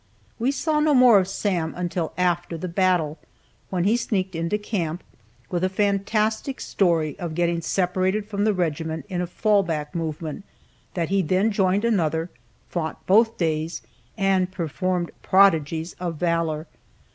We saw no more of Sam until after the battle, when he sneaked into camp, with a fantastic story of getting separated from the regiment in a fall back movement, that he then joined another, fought both days, and performed prodigies of valor.